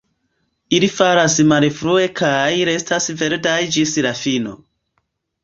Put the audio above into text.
Ili falas malfrue kaj restas verdaj ĝis la fino.